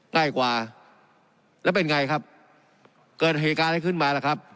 ง่ายกว่าแล้วเป็นไงครับเกิดเหตุการณ์ให้ขึ้นมาล่ะครับ